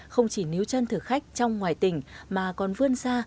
không chỉ níu chân thực khách trong ngoài tỉnh mà còn vươn ra